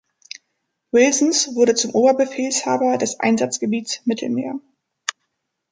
Wilsons wurde zum Oberbefehlshaber des Einsatzgebiets Mittelmeer.